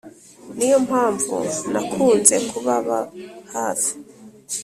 Ni yo mpamvu nakunze kubaba hafi